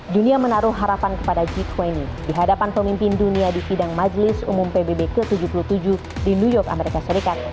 dunia menaruh harapan kepada g dua puluh di hadapan pemimpin dunia di sidang majelis umum pbb ke tujuh puluh tujuh di new york amerika serikat